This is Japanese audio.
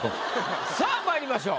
さあまいりましょう。